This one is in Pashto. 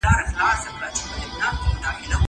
خبري د خلکو له خوا کيږي.